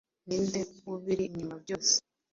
ninde ubiri inyuma byose